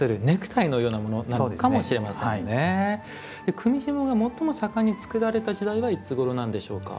組みひもが最も盛んに作られた時代はいつごろなんでしょうか？